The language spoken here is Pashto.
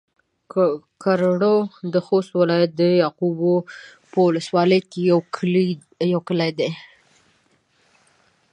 کرړو د خوست ولايت د يعقوبيو په ولسوالۍ کې يو کلی دی